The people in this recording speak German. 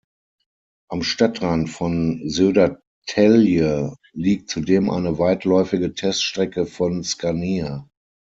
Am Stadtrand von Södertälje liegt zudem eine weitläufige Teststrecke von Scania.